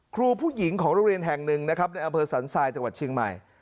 ครูผู้หญิงของโรงเรียนแห่งหนึ่งนะครับในอำเภอสันทรายจังหวัดเชียงใหม่